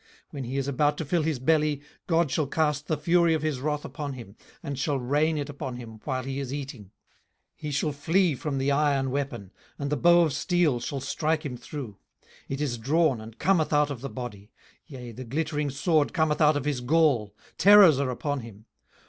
18:020:023 When he is about to fill his belly, God shall cast the fury of his wrath upon him, and shall rain it upon him while he is eating. 18:020:024 He shall flee from the iron weapon, and the bow of steel shall strike him through. 18:020:025 It is drawn, and cometh out of the body; yea, the glittering sword cometh out of his gall: terrors are upon him.